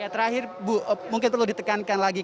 terakhir bu mungkin perlu ditekankan lagi